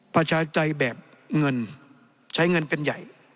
ประชาจัยแบบเงินใช้เงินเป็นใหญ่